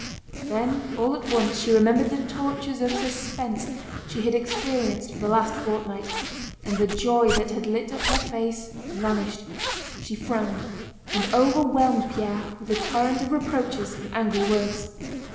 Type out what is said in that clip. Then all at once she remembered the tortures of suspense she had experienced for the last fortnight, and the joy that had lit up her face vanished; she frowned and overwhelmed Pierre with a torrent of reproaches and angry words.